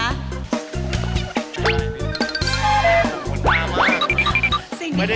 ขนตามาก